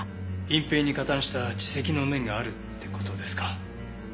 隠蔽に加担した自責の念があるって事ですか？